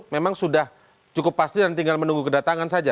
memang sudah cukup pasti dan tinggal menunggu kedatangan saja